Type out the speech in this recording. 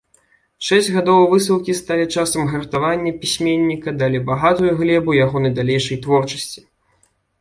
Шэсць гадоў высылкі сталі часам гартавання пісьменніка, далі багатую глебу ягонай далейшай творчасці.